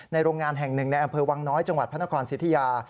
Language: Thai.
โรงงานแห่งหนึ่งในอำเภอวังน้อยจังหวัดพระนครสิทธิยา